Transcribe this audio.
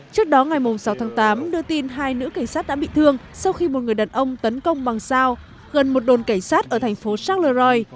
trước đó ngày sáu tháng tám đưa tin hai nữ cảnh sát đã bị thương sau khi một người đàn ông tấn công bằng sao gần một đồn cảnh sát ở thành phố charleroit